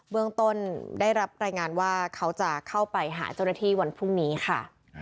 เรื่องต้นได้รับรายงานว่าเขาจะเข้าไปหาเจ้าหน้าที่วันพรุ่งนี้ค่ะ